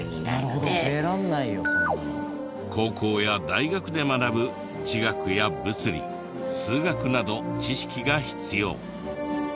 高校や大学で学ぶ地学や物理数学など知識が必要。